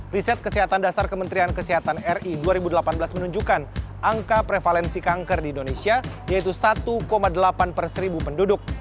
riset kesehatan dasar kementerian kesehatan ri dua ribu delapan belas menunjukkan angka prevalensi kanker di indonesia yaitu satu delapan per seribu penduduk